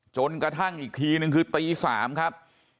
จนกระทั่งอีกทีนึงคือตี๓ครับ